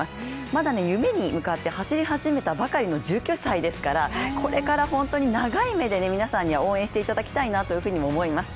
まだ夢に向かって走り始めたばかりの１９歳ですからこれから本当に長い目で皆さんには応援していただきたいと思います。